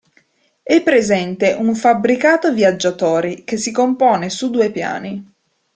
È presente un fabbricato viaggiatori che si compone su due piani.